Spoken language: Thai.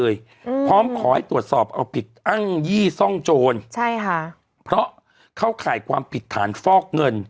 อืมพร้อมขอให้ตรวจสอบเอาผิดอ้างยี่ซ่องโจรใช่ค่ะเพราะเข้าข่ายความผิดฐานฟอกเงิน